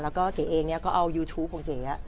แล้วก็เก๋เองก็เอายูทูปของเก๋